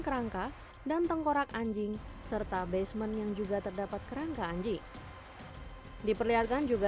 kerangka dan tengkorak anjing serta basement yang juga terdapat kerangka anjing diperlihatkan juga